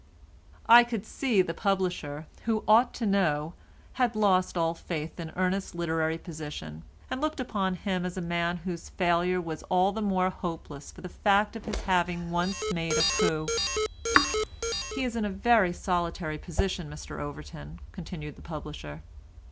I could see the publisher, who ought to know, had lost all faith in Ernest's literary position, and looked upon him as a man whose failure was all the more hopeless for the fact of his having once made a coup. "He is in a very solitary position, Mr Overton," continued the publisher.